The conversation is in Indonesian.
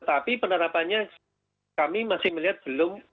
ya tapi penerapannya kami masih melihat belum berhasil